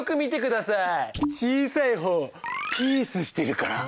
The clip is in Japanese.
小さい方ピースしてるから。